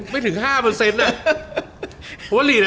ไม่ถึง๕เปอร์เซ็นต์